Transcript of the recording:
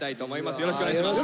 よろしくお願いします。